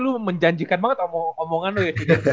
lu menjanjikan banget omongan lo ya